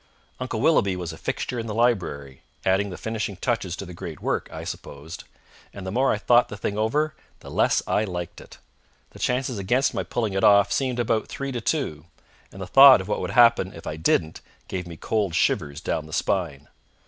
Uncle Willoughby was a fixture in the library, adding the finishing touches to the great work, I supposed, and the more I thought the thing over the less I liked it. The chances against my pulling it off seemed about three to two, and the thought of what would happen if I didn't gave me cold shivers down the spine.